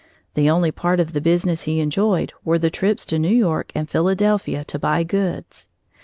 The only part of the business he enjoyed were the trips to New York and Philadelphia to buy goods.